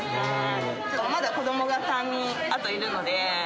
まだ子どもが３人、あといるので。